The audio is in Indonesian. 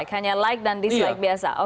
hanya like dan dislike biasa